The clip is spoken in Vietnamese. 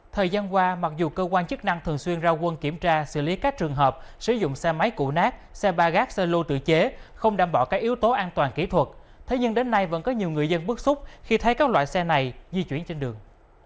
thời gian qua mặc dù cơ quan chức năng thường xuyên ra quân kiểm tra xử lý các trường hợp sử dụng xe máy cụ nát xe ba gác xe lô tự chế không đảm bảo các yếu tố an toàn kỹ thuật thế nhưng đến nay vẫn có nhiều người dân bức xúc khi thấy các loại xe này di chuyển trên đường